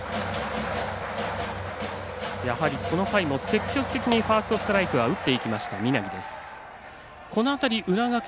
やはり、この回も積極的にファーストストライクを振っていく浦和学院。